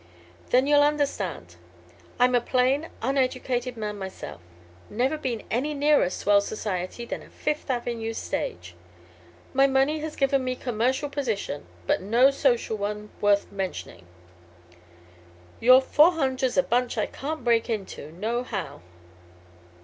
"Then you'll understand. I'm a plain uneducated man myself. Never been any nearer swell society than a Fifth Avenue stage. My money has given me commercial position, but no social one worth mentioning. Your '400's' a bunch I can't break into, nohow."